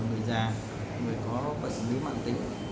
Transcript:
người già người có bệnh lý mạng tính